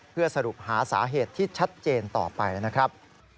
เพื่อสรุปหาสาเหตุที่ชัดเจนต่อไปนะครับ